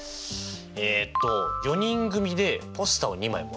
えっと４人組でポスターを２枚もらえる。